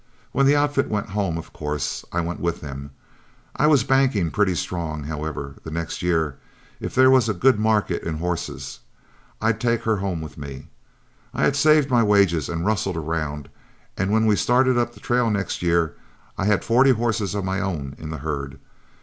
When the outfit went home, of course I went with them. I was banking plenty strong, however, that next year, if there was a good market in horses, I'd take her home with me. I had saved my wages and rustled around, and when we started up the trail next year, I had forty horses of my own in the herd.